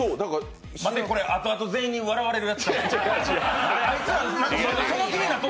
待て、あとあと全員に笑われるやつやぞ。